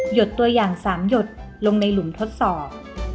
ดตัวอย่าง๓หยดลงในหลุมทดสอบ